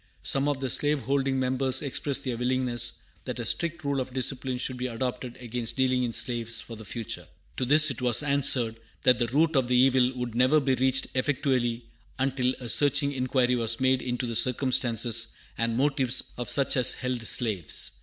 Some of the slave holding members expressed their willingness that a strict rule of discipline should be adopted against dealing in slaves for the future. To this it was answered that the root of the evil would never be reached effectually until a searching inquiry was made into the circumstances and motives of such as held slaves.